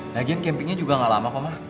lagian campingnya juga gak lama kok ma